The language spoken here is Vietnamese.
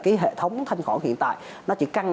cái hệ thống thanh khỏi hiện tại nó chỉ căng